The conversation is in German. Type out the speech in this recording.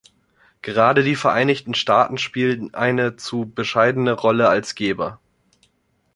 Gerade die Vereinigten Staaten spielen eine zu bescheidene Rolle als Geber.